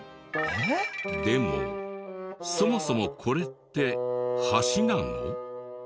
えっ？でもそもそもこれって橋なの？